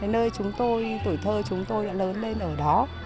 nơi chúng tôi tuổi thơ chúng tôi đã lớn lên ở đó